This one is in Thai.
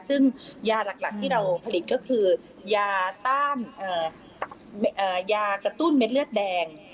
ซึ่งยาหลักที่เราผลิตก็คือยาต้านยากระตุ้นเม็ดเลือดแดง